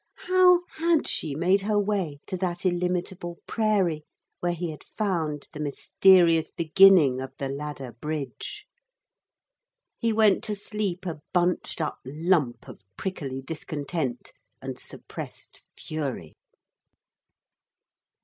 How had she made her way to that illimitable prairie where he had found the mysterious beginning of the ladder bridge? He went to sleep a bunched up lump of prickly discontent and suppressed fury.